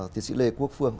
tiến sĩ lê quốc phương